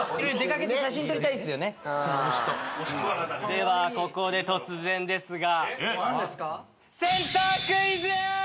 ではここで突然ですが。